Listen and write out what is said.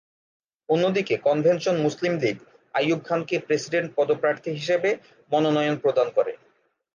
অন্যদিকে convention Muslim league Ayub খানকে president পদপ্রার্থী হিসাবে মনোনয়ন প্রদান করে।